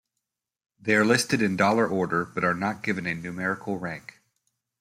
They are listed in dollar order, but are not given a numerical rank.